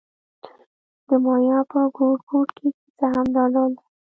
د مایا په ګوټ ګوټ کې کیسه همدا ډول ده.